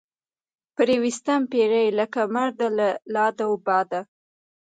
پرې ويستم پيرۍ لکه مرده لۀ لاد وباده